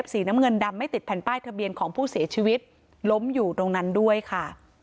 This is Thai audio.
สีน้ำเงินดำไม่ติดแผ่นป้ายทะเบียนของผู้เสียชีวิตล้มอยู่ตรงนั้นด้วยค่ะ